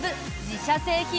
自社製品